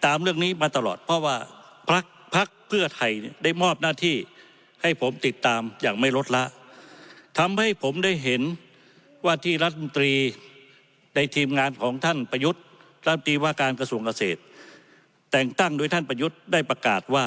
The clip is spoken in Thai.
แต่ยังตั้งโดยท่านประยุทธ์ได้ประกาศว่า